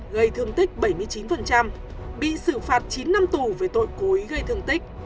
gây thương tích bảy mươi chín bị xử phạt chín năm tù về tội cố ý gây thương tích